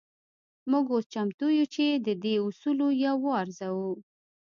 موږ اوس چمتو يو چې د دې اصولو يو وارزوو.